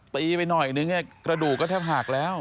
ตีไปหน่อยนึงเนี่ยกระดูกก็แทบหากแล้ว